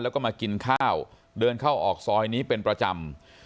แล้วก็มากินข้าวเดินเข้าออกซอยนี้เป็นประจำ